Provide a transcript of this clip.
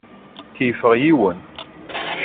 Keyyfeɣ yiwen.